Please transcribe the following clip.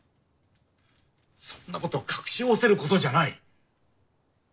そんなことは隠しおおせることじゃない。